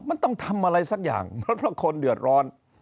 มันต้องทำอะไรสักอย่างเพราะคนเดือดร้อน